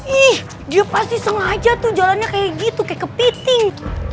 ih dia pasti sengaja tuh jalannya kayak gitu kayak kepiting